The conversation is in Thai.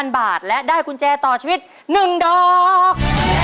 ๐บาทและได้กุญแจต่อชีวิต๑ดอก